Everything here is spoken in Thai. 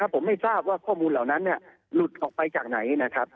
ผมไม่ทราบว่าข้อมูลเหล่านั้นหลุดออกไปจากไหนนะครับ